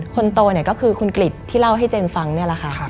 คนโตเนี่ยก็คือคุณกริจที่เล่าให้เจนฟังนี่แหละค่ะ